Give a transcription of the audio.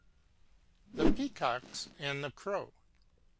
THE PEACOCKS AND THE CROW.